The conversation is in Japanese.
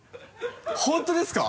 本当ですか？